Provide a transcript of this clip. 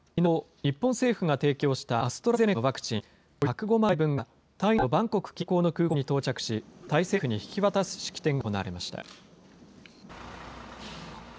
日本政府が提供したアストラゼネカのワクチンおよそ１０５万回分が、タイの首都バンコク近郊の空港に到着し、タイ政府に引き渡す式典が行われました。